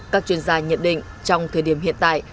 các chuyên gia nhận định trong thời điểm hiện tại